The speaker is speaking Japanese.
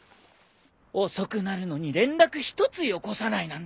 遅くなるのに連絡一つよこさないなんて。